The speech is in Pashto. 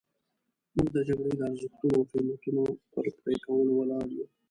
موږ د جګړې د ارزښتونو او قیمتونو پر پرې کولو ولاړ یو.